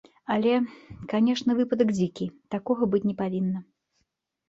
Але, канечне, выпадак дзікі, такога быць не павінна.